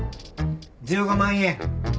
１５万円。